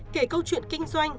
kể câu chuyện kinh doanh